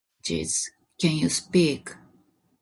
Cheese. Can you speak?